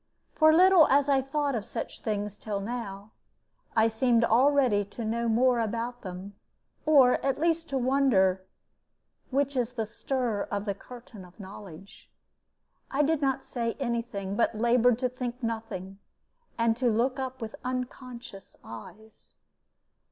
For little as I thought of such things till now, I seemed already to know more about them, or at least to wonder which is the stir of the curtain of knowledge. I did not say any thing, but labored to think nothing and to look up with unconscious eyes.